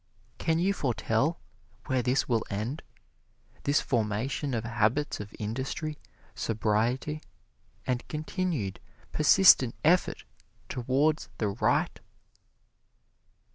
Can you foretell where this will end this formation of habits of industry, sobriety and continued, persistent effort towards the right?